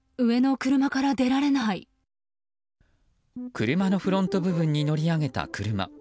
車のフロント部分に乗り上げた車。